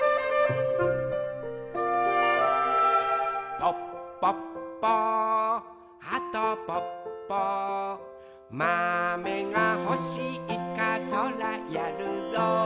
「ぽっぽっぽはとぽっぽ」「まめがほしいかそらやるぞ」